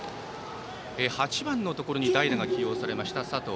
８番のところに代打が起用されました佐藤。